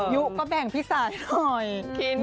ยุ๊ก็แบ่งพิซ่าให้หน่อย